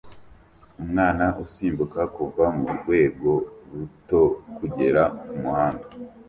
Umwana usimbuka kuva murwego ruto kugera kumuhanda